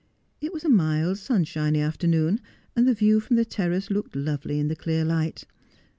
It was a mild, sunshiny afternoon, and the view from the terrace looked lovely in the clear light.